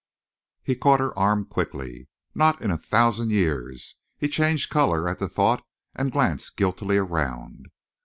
He caught her arm quickly. "Not in a thousand years!" He changed color at the thought and glanced guiltily around.